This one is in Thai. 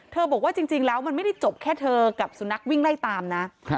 บอกว่าจริงแล้วมันไม่ได้จบแค่เธอกับสุนัขวิ่งไล่ตามนะ